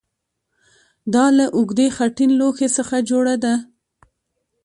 دا له اوږدې خټین لوښي څخه جوړه ده